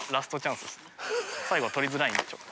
最後は取りづらいんでちょっと。